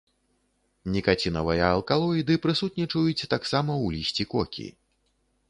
Нікацінавыя алкалоіды прысутнічаюць таксама ў лісці кокі.